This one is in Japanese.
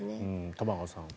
玉川さん。